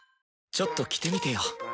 ちょっと着てみてよ！